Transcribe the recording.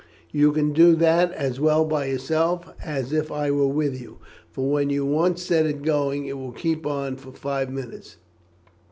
You can do that as well by yourself as if I were with you, for when you once set it going it will keep on for five minutes.